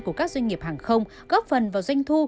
của các doanh nghiệp hàng không góp phần vào doanh thu